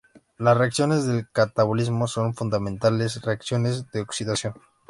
Las reacciones del catabolismo son fundamentalmente reacciones de oxidación.